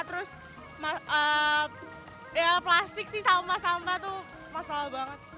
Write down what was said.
terus plastik sih sampah sampah itu masalah banget